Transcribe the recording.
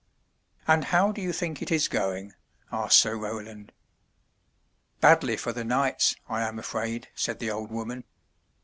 And how do you think it is going?'' asked Sir Roland. "Badly for the knights, I am afraid,*' said the old woman.